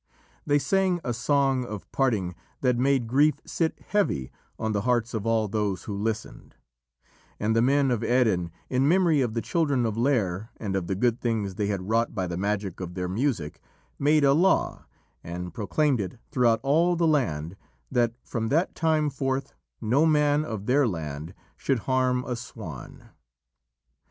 They sang a song of parting that made grief sit heavy on the hearts of all those who listened, and the men of Erin, in memory of the children of Lîr and of the good things they had wrought by the magic of their music, made a law, and proclaimed it throughout all the land, that from that time forth no man of their land should harm a swan.